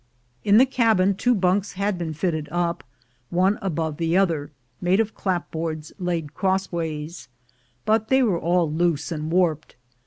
In the cabin two bunks had been fitted up, one aboA'e the other, made of clapboards laid crossways, but they were all loose and warped.